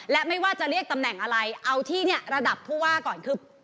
และไม่ว่าจะเรียกตำแหน่งอะไรเอาที่เนี่ยระดับผู้ว่าก่อนคือ